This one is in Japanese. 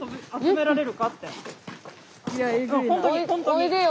おいでよ。